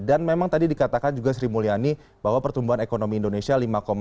dan memang tadi dikatakan juga sri mulyani bahwa pertumbuhan ekonomi indonesia